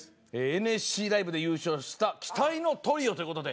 ＮＳＣライブで優勝した期待のトリオという事で。